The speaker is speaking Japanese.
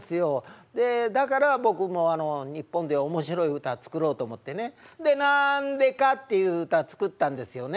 だから僕も日本で面白い歌作ろうと思ってねで「なんでか」っていう歌作ったんですよね。